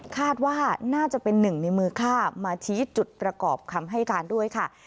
คาดว่าน่าจะเป็นหนึ่งในมือฆ่ามาชี้จุดประกอบคำให้การด้วยค่ะ